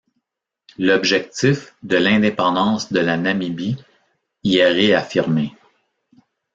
L'objectif de l'indépendance de la Namibie y est réaffirmé.